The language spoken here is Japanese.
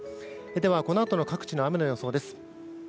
では、このあとの各地の雨の予想です。